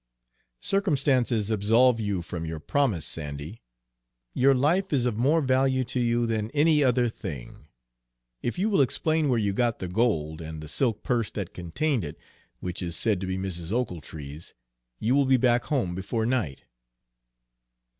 "Circumstances absolve you from your promise, Sandy. Your life is of more value to you than any other thing. If you will explain where you got the gold, and the silk purse that contained it, which is said to be Mrs. Ochiltree's, you will be back home before night."